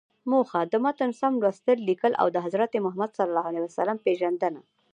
موخه: د متن سم لوستل، ليکل او د حضرت محمد ﷺ پیژندنه.